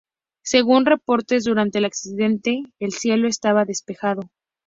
Según reportes, durante el accidente, el cielo estaba despejado.